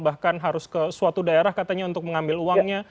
bahkan harus ke suatu daerah katanya untuk mengambil uangnya